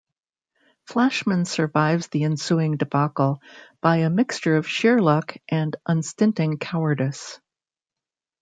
Flashman survives the ensuing debacle by a mixture of sheer luck and unstinting cowardice.